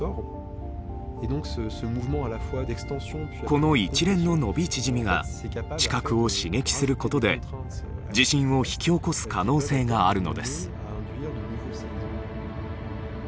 この一連の伸び縮みが地殻を刺激することで地震を引き起こす可能性があるのです。